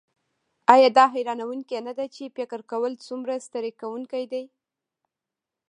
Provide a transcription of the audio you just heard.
ایا دا حیرانوونکې نده چې فکر کول څومره ستړي کونکی دي